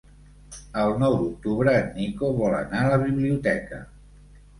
El nou d'octubre en Nico vol anar a la biblioteca.